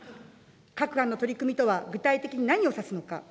各般の取り組みとは具体的に何を指すのか。